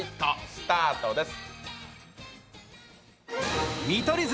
スタートです。